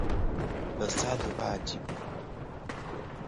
Bëssali baà di bi.